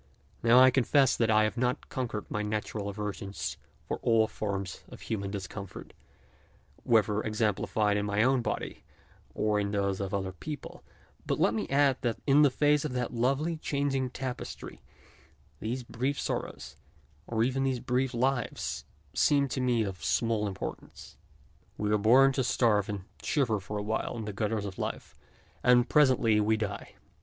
Now I con fess that I have not conquered my natural aversion for all forms of human discomfort, whether exemplified in my own body or in those of other people, but let me add that in face of that lovely changing tapestry, these brief sorrows and even these brief lives seem to me of small importance. We are born to starve and shiver for a while in the gutters of life and presently we die.